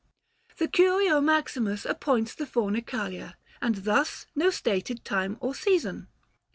The Curio Maximus Appoints the Fornicalia ; and thus No stated time or season.